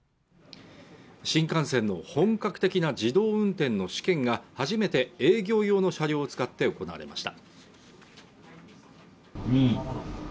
新幹線の本格的な自動運転の試験が初めて営業用の車両を使って行われました。